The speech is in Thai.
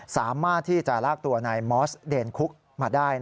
สามารถที่จะลากตัวนายมอสเดนคุกมาได้